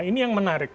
ini yang menarik